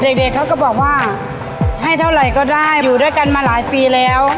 เด็กเด็กเขาก็บอกว่าให้เท่าไหร่ก็ได้อยู่ด้วยกันมาหลายปีแล้ว